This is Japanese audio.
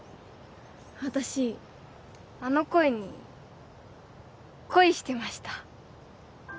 私あの声に恋してました